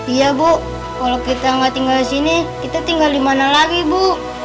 iya bu kalau kita nggak tinggal di sini kita tinggal di mana lagi bu